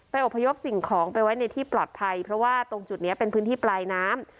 อบพยพสิ่งของไปไว้ในที่ปลอดภัยเพราะว่าตรงจุดนี้เป็นพื้นที่ปลายน้ำ